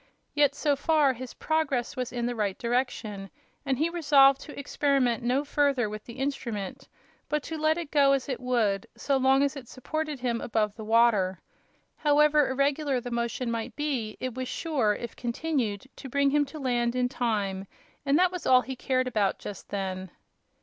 Yet so far his progress was in the right direction, and he resolved to experiment no further with the instrument, but to let it go as it would, so long as it supported him above the water. However irregular the motion might be, it was sure, if continued, to bring him to land in time, and that was all he cared about just then.